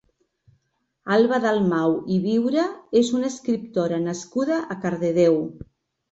Alba Dalmau i Viure és una escriptora nascuda a Cardedeu.